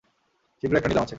শীঘ্রই একটা নিলাম আছে।